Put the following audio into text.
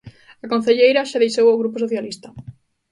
A concelleira xa deixou o grupo socialista.